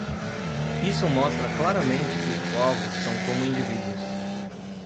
Isso mostra claramente que os povos são como indivíduos.